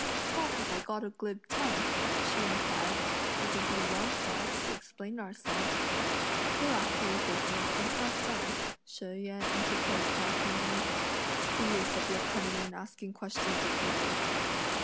"How have I got a glib tongue?" she inquired; "it would be well for us to explain ourselves." "Go after your business, and have done," She Yüeh interposed laughingly; "what's the use of your coming and asking questions of people?"